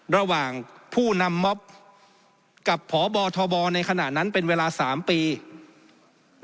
ระหว่างผู้นำม็อบกับพบทบในขณะนั้นเป็นเวลา๓ปี